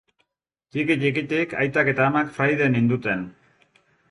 Ttiki ttikitik aitak eta amak fraide ninduten